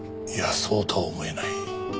いやそうとは思えない。